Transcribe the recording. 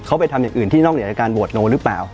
เขาไปทำอย่างอื่นที่นอกเหนือจากการโหวตโนหรือเปล่า